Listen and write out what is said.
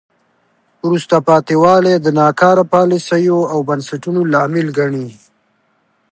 وروسته پاتې والی د ناکاره پالیسیو او بنسټونو لامل ګڼي.